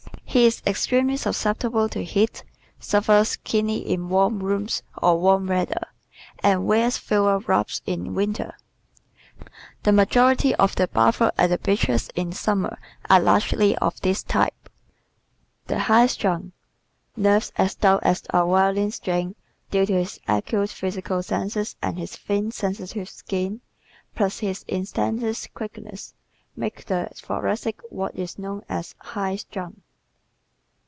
He is extremely susceptible to heat, suffers keenly in warm rooms or warm weather and wears fewer wraps in winter. The majority of bathers at the beaches in summer are largely of this type. The High Strung ¶ Nerves as taut as a violin string due to his acute physical senses and his thin, sensitive skin plus his instantaneous quickness make the Thoracic what is known as "high strung."